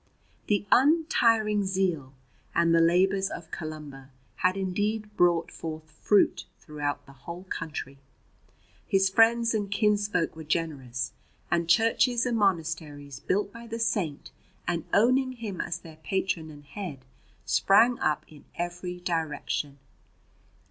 The untiring zeal and the labours of Columba had indeed brought forth fruit throughout the whole country. His friends and kinsfolk were generous, and churches and monasteries built by the Saint and owning him as their patron and head sprang up in every direction.